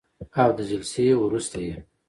او د جلسې وروسته یې